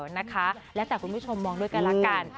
นะคะแล้วแต่คุณผู้ชมมองด้วยกันละกัน